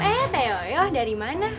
eh teo yoyo dari mana